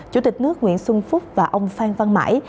chủ tịch nước nguyễn xuân phúc và ông phan văn mãi